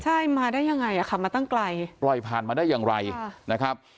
ใช่มาได้ยังไงอ่ะค่ะมาตั้งไกลปล่อยผ่านมาได้อย่างไรนะครับ